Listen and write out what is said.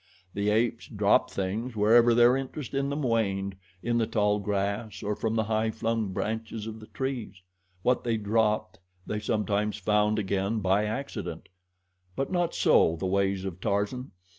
The apes dropped things wherever their interest in them waned in the tall grass or from the high flung branches of the trees. What they dropped they sometimes found again, by accident; but not so the ways of Tarzan.